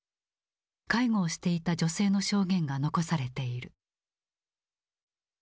介護をしていた女性の証言が残されている。